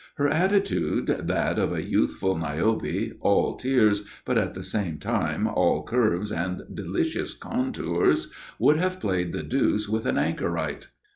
Her attitude, that of a youthful Niobe, all tears, but at the same time all curves and delicious contours, would have played the deuce with an anchorite.